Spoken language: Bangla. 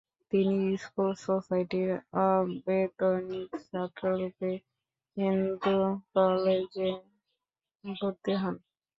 তিনি স্কুল সোসাইটির অবৈতনিক ছাত্ররূপে হিন্দু কলেজে ভর্তি হন।